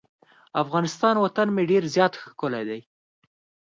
افغانستان وطن مې ډیر زیات ښکلی دی.